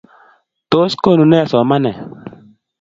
Tos konuu nee somanet?